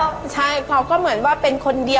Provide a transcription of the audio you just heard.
การที่บูชาเทพสามองค์มันทำให้ร้านประสบความสำเร็จ